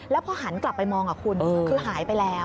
แล้วพอหันกลับไปมองคุณคือหายไปแล้ว